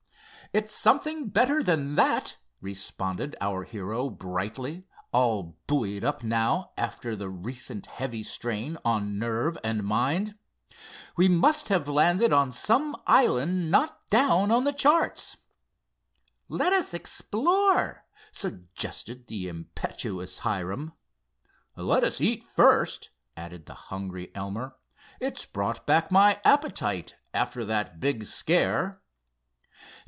"It's something better than that," responded our hero brightly, all buoyed up now after the recent heavy strain on nerve and mind. "We must have landed on some island not down on the chart." "Let us explore," suggested the impetuous Hiram. "Let us eat first," added the hungry Elmer. "It's brought back my appetite, after that big scare."